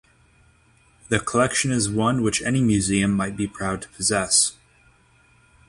The collection is one which any museum might be proud to possess.